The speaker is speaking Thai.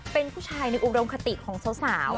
เป็นผู้ชายในอุดมคติของสาว